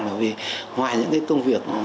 bởi vì ngoài những công việc